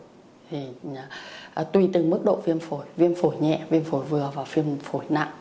thì tùy từng mức độ viêm phổi viêm phổi nhẹ viêm phổi vừa và viêm phổi nặng